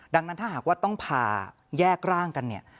ดังนั้นถ้าหากว่าต้องผ่าแยกร่างกันเนี่ย